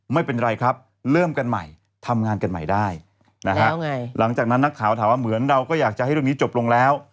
ไม่เป็นไรครับเริ่มกันใหม่ทำงานกันใหม่ได้นะฮะหลังจากนั้นนักข่าวถามว่าเหมือนเราก็อยากจะให้เรื่องนี้จบลงแล้ว